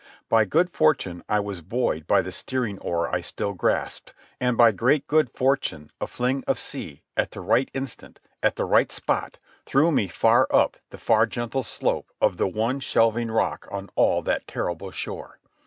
By good fortune I was buoyed by the steering oar I still grasped, and by great good fortune a fling of sea, at the right instant, at the right spot, threw me far up the gentle slope of the one shelving rock on all that terrible shore.